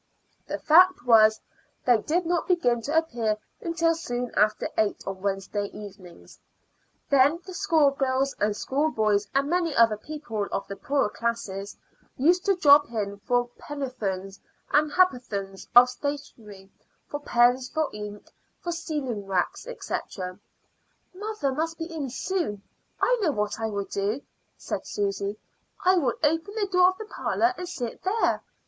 The fact was, they did not begin to appear until soon after eight on Wednesday evenings. Then the schoolgirls and schoolboys and many other people of the poorer class used to drop in for penn'orths and ha'p'orths of stationery, for pens, for ink, for sealing wax, &c. "Mother must be in soon. I know what I will do," said Susy. "I will open the door of the parlor and sit there.